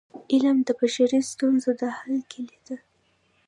علم د بشري ستونزو د حل کيلي ده.